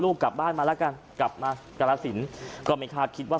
ลูกกลับบ้านมาละกันกลับมากลาศิลป์ก็มีคาดคิดว่าสุดท้าย